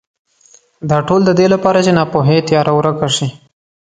دا ټول د دې لپاره چې ناپوهۍ تیاره ورکه شي.